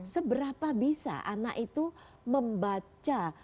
seberapa bisa anak itu membaca